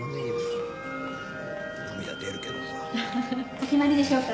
お決まりでしょうか？